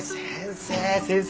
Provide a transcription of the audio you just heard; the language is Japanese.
先生。